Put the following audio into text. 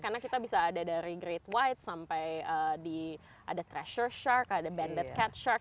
karena kita bisa ada dari great white sampai ada treasure shark ada banded cat shark